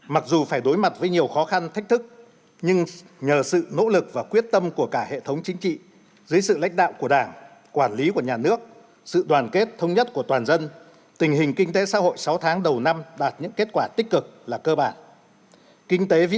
mặc dù phải đối mặt với nhiều khó khăn thách thức nhưng nhờ sự nỗ lực và quyết tâm của cả hệ thống chính trị dưới sự lãnh đạo của đảng quản lý của nhà nước sự đoàn kết thống nhất của toàn dân tình hình kinh tế xã hội sáu tháng đầu năm đạt những kết quả tích cực là cơ bản